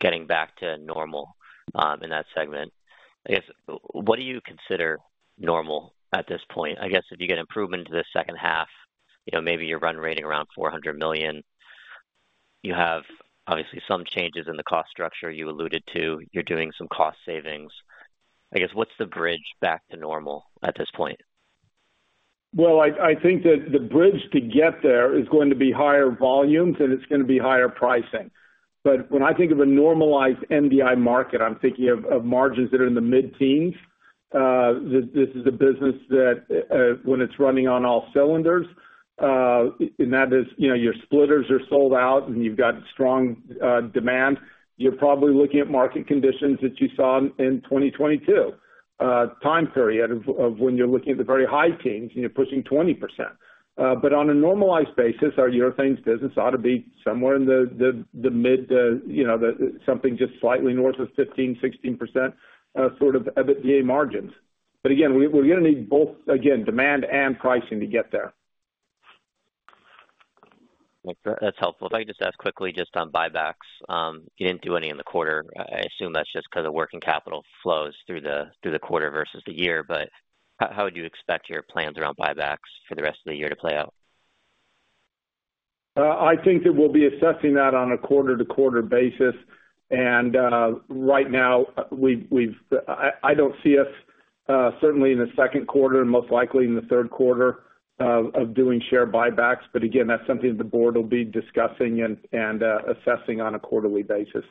getting back to normal, in that segment. I guess, what do you consider normal at this point? I guess if you get improvement into the second half, you know, maybe you're run rating around $400 million. You have obviously some changes in the cost structure you alluded to. You're doing some cost savings. I guess, what's the bridge back to normal at this point? Well, I think that the bridge to get there is going to be higher volumes, and it's gonna be higher pricing. But when I think of a normalized MDI market, I'm thinking of margins that are in the mid-teens. This is a business that, when it's running on all cylinders, and that is, you know, your splitters are sold out and you've got strong demand, you're probably looking at market conditions that you saw in 2022 time period of when you're looking at the very high teens and you're pushing 20%. But on a normalized basis, our urethanes business ought to be somewhere in the mid, you know, something just slightly north of 15%, 16% sort of EBITDA margins. But again, we're gonna need both, again, demand and pricing to get there. Okay. That's helpful. If I could just ask quickly, just on buybacks. You didn't do any in the quarter. I assume that's just 'cause of working capital flows through the quarter versus the year, but how would you expect your plans around buybacks for the rest of the year to play out? I think that we'll be assessing that on a quarter-to-quarter basis, and right now we've I don't see us certainly in the second quarter, and most likely in the third quarter of doing share buybacks, but again, that's something the board will be discussing and assessing on a quarterly basis.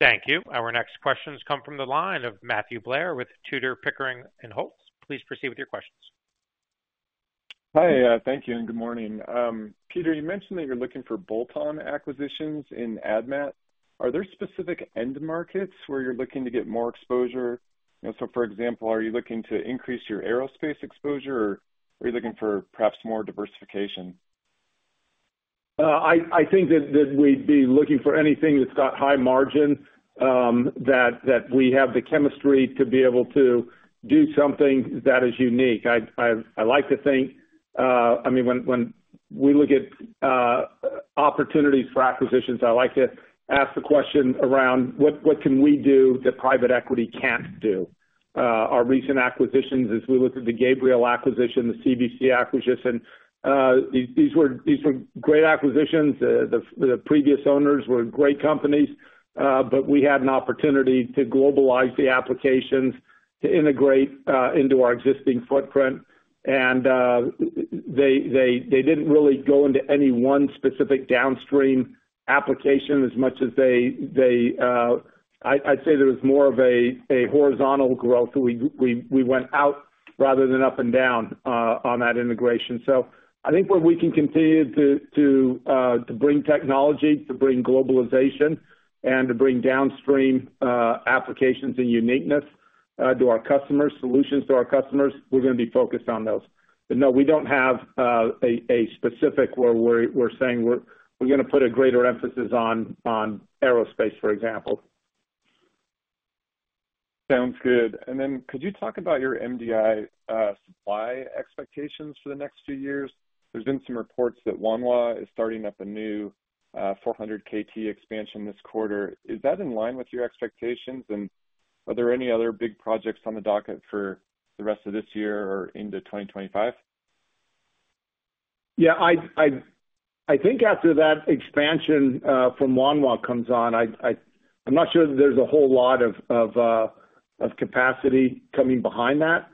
Thank you. Our next questions come from the line of Matthew Blair with Tudor, Pickering, Holt & Co. Please proceed with your questions. Hi, thank you, and good morning. Peter, you mentioned that you're looking for bolt-on acquisitions in AdMat. Are there specific end markets where you're looking to get more exposure? You know, so for example, are you looking to increase your aerospace exposure, or are you looking for perhaps more diversification? I think that we'd be looking for anything that's got high margin, that we have the chemistry to be able to do something that is unique. I like to think I mean, when we look at opportunities for acquisitions, I like to ask the question around what can we do that private equity can't do? Our recent acquisitions, as we looked at the Gabriel acquisition, the CVC acquisition, these were great acquisitions. The previous owners were great companies, but we had an opportunity to globalize the applications, to integrate into our existing footprint. They didn't really go into any one specific downstream application as much as they, I'd say there was more of a horizontal growth, so we went out rather than up and down on that integration. So I think where we can continue to bring technology, to bring globalization, and to bring downstream applications and uniqueness to our customers, solutions to our customers, we're gonna be focused on those. But no, we don't have a specific where we're gonna put a greater emphasis on aerospace, for example. Sounds good. And then could you talk about your MDI supply expectations for the next few years? There's been some reports that Wanhua is starting up a new 400 KT expansion this quarter. Is that in line with your expectations, and are there any other big projects on the docket for the rest of this year or into 2025? Yeah, I think after that expansion from Wanhua comes on, I'm not sure that there's a whole lot of capacity coming behind that.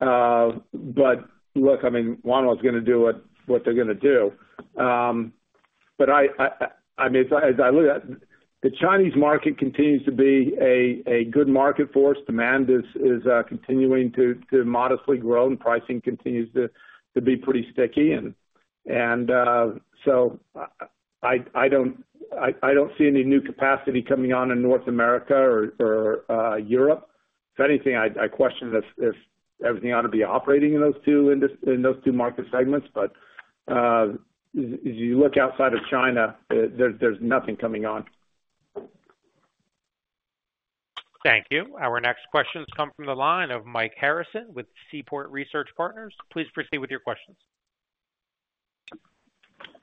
But look, I mean, Wanhua's gonna do what they're gonna do. But I mean, as I look at, the Chinese market continues to be a good market for us. Demand is continuing to modestly grow, and pricing continues to be pretty sticky. And so I don't see any new capacity coming on in North America or Europe. If anything, I question if everything ought to be operating in those two in those two market segments, but as you look outside of China, there's nothing coming on. Thank you. Our next question has come from the line of Mike Harrison with Seaport Research Partners. Please proceed with your questions.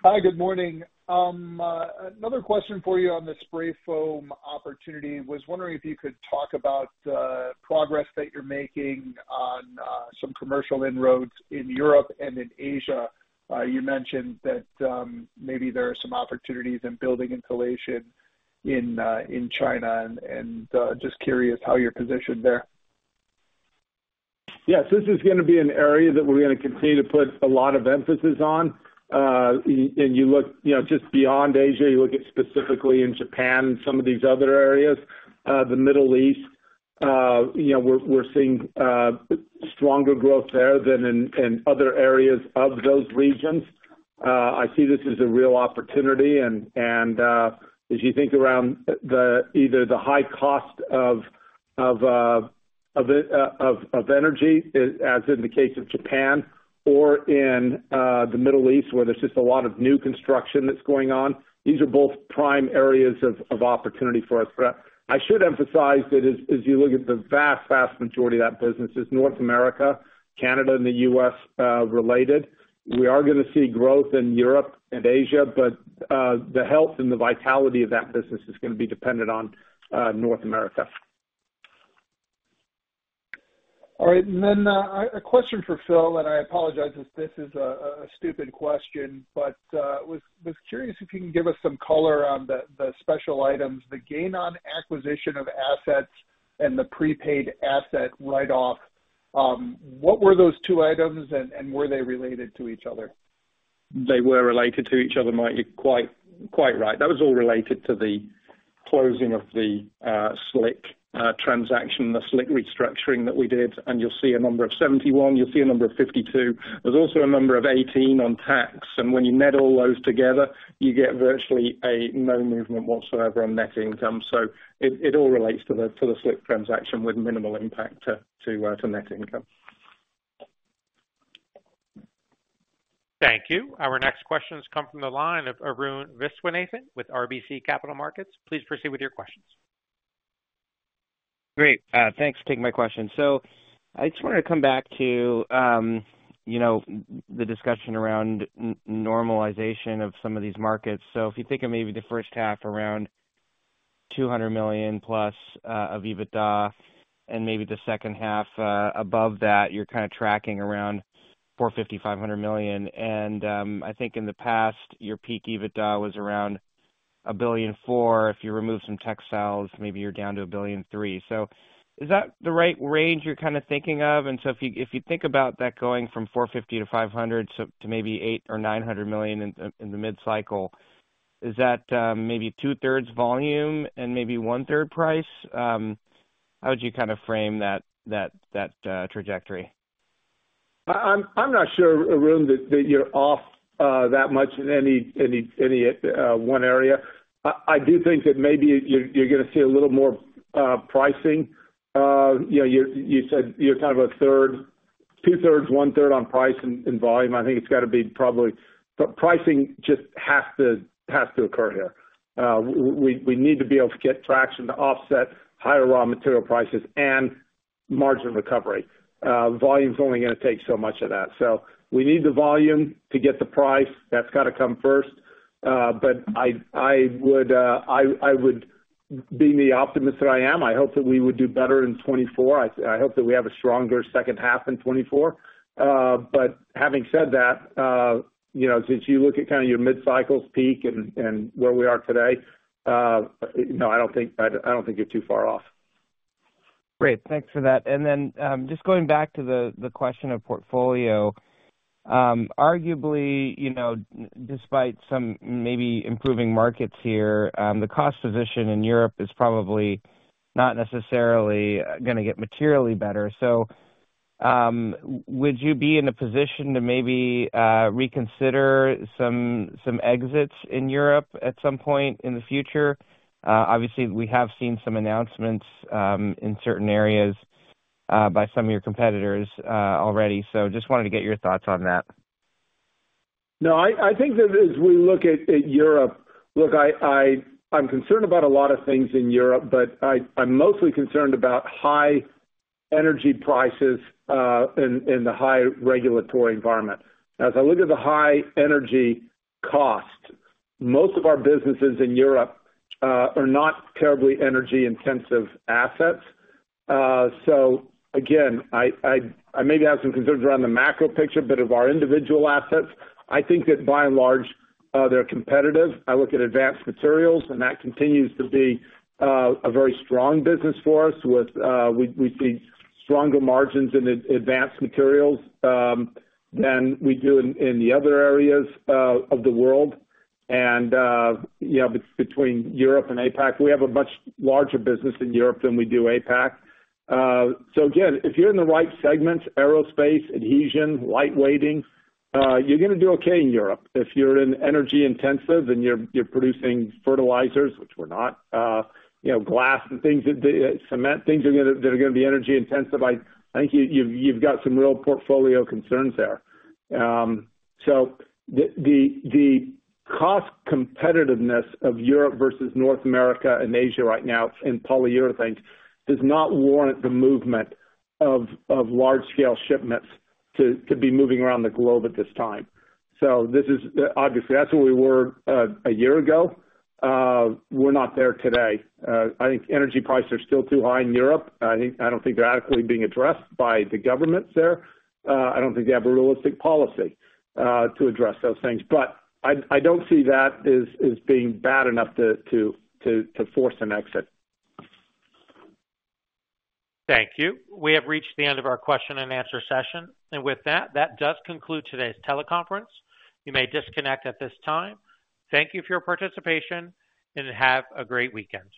Hi, good morning. Another question for you on the spray foam opportunity. Was wondering if you could talk about progress that you're making on some commercial inroads in Europe and in Asia. You mentioned that maybe there are some opportunities in building insulation in China, and just curious how you're positioned there. Yes, this is gonna be an area that we're gonna continue to put a lot of emphasis on. And you look, you know, just beyond Asia, you look at specifically in Japan and some of these other areas, the Middle East, you know, we're seeing stronger growth there than in other areas of those regions. I see this as a real opportunity, and as you think around the either the high cost of energy, as in the case of Japan or in the Middle East, where there's just a lot of new construction that's going on, these are both prime areas of opportunity for us. But I should emphasize that as you look at the vast majority of that business is North America, Canada, and the U.S. related. We are gonna see growth in Europe and Asia, but the health and the vitality of that business is gonna be dependent on North America. All right. And then, a question for Phil, and I apologize if this is a stupid question, but was curious if you can give us some color on the special items, the gain on acquisition of assets and the prepaid asset write-off. What were those two items, and were they related to each other? They were related to each other, Mike. You're quite, quite right. That was all related to the closing of the SLIC transaction, the SLIC restructuring that we did. And you'll see a number of 71, you'll see a number of 52. There's also a number of 18 on tax, and when you net all those together, you get virtually a no movement whatsoever on net income. So it all relates to the SLIC transaction with minimal impact to net income. Thank you. Our next question has come from the line of Arun Viswanathan with RBC Capital Markets. Please proceed with your questions. Great. Thanks for taking my question. So I just wanted to come back to, you know, the discussion around normalization of some of these markets. So if you think of maybe the first half, around $200 million+ of EBITDA, and maybe the second half above that, you're kind of tracking around $450 million, $500 million. And I think in the past, your peak EBITDA was around $1.4 billion. If you remove some textiles, maybe you're down to $1.3 billion. So is that the right range you're kind of thinking of? And so if you think about that going from $450 million-$500 million to maybe $800 or $900 million in the mid-cycle, is that maybe two-thirds volume and maybe one-third price? How would you kind of frame that trajectory? I'm not sure, Arun, that you're off that much in any one area. I do think that maybe you're gonna see a little more pricing. You know, you said you're kind of 1/3, 2/3, 1/3 on price and volume. I think it's gotta be probably But pricing just has to occur here. We need to be able to get traction to offset higher raw material prices and margin recovery. Volume's only gonna take so much of that. So we need the volume to get the price. That's gotta come first. But I would, being the optimist that I am, I hope that we would do better in 2024. I hope that we have a stronger second half in 2024. But having said that, you know, since you look at kind of your mid-cycle peak and where we are today, no, I don't think you're too far off. Great, thanks for that. Then, just going back to the question of portfolio. Arguably, you know, despite some maybe improving markets here, the cost position in Europe is probably not necessarily gonna get materially better. So, would you be in a position to maybe reconsider some exits in Europe at some point in the future? Obviously, we have seen some announcements in certain areas by some of your competitors already. So just wanted to get your thoughts on that. No, I think that as we look at Europe—look, I'm concerned about a lot of things in Europe, but I'm mostly concerned about high energy prices, and the high regulatory environment. As I look at the high energy cost, most of our businesses in Europe are not terribly energy-intensive assets. So again, I maybe have some concerns around the macro picture, but of our individual assets, I think that by and large, they're competitive. I look at advanced materials, and that continues to be a very strong business for us, with we see stronger margins in advanced materials than we do in the other areas of the world. And you know, between Europe and APAC, we have a much larger business in Europe than we do APAC. So again, if you're in the right segments, aerospace, adhesion, lightweighting, you're gonna do okay in Europe. If you're in energy intensive and you're producing fertilizers, which we're not, you know, glass and things that, cement, things that are gonna be energy intensive, I think you've got some real portfolio concerns there. So the cost competitiveness of Europe versus North America and Asia right now in polyurethanes does not warrant the movement of large scale shipments to be moving around the globe at this time. So this is... Obviously, that's where we were a year ago. We're not there today. I think energy prices are still too high in Europe. I think- I don't think they're adequately being addressed by the governments there. I don't think they have a realistic policy to address those things, but I don't see that as being bad enough to force an exit. Thank you. We have reached the end of our question and answer session, and with that, that does conclude today's teleconference. You may disconnect at this time. Thank you for your participation, and have a great weekend.